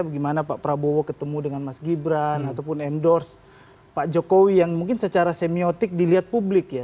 bagaimana pak prabowo ketemu dengan mas gibran ataupun endorse pak jokowi yang mungkin secara semiotik dilihat publik ya